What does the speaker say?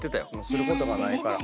することがないから。